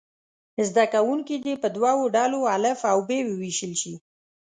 زده کوونکي دې په دوه ډلو الف او ب وویشل شي.